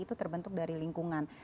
itu terbentuk dari lingkungan